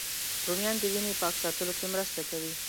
رومیان د وینې پاک ساتلو کې مرسته کوي